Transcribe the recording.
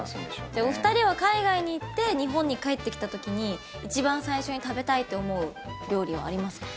お二人は海外に行って日本に帰ってきたときに一番最初に食べたいって思う料理はありますか？